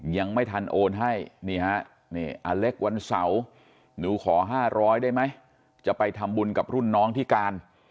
ยังไม่ทันโอนให้นี่ฮะนี่อเล็กวันเสาร์หนูขอ๕๐๐ได้ไหมจะไปทำบุญกับรุ่นน้องที่การ